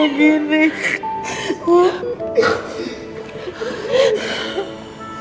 rifti akan baik baik aja